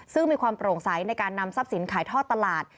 ซึ่งมีความโปร่งใสในการนำทรัพย์สินขายท่อตลาด